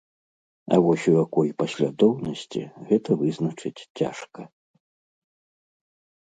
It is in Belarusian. А вось у якой паслядоўнасці, гэта вызначыць цяжка.